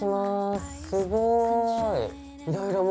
すごい！